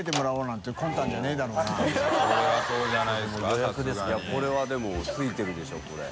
長田）これはでもついてるでしょこれ。